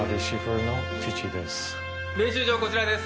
練習場こちらです。